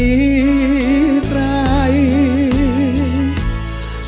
ขออยู่คู่แฟนเพลงไม่เคยคิดว่าเก่งหรือดังกว่าใครใคร